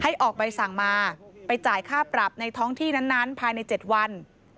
ออกใบสั่งมาไปจ่ายค่าปรับในท้องที่นั้นภายใน๗วัน